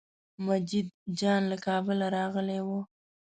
مجید جان له کابله راغلی و.